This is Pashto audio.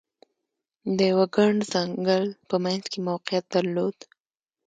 د یوه ګڼ ځنګل په منځ کې موقعیت درلود.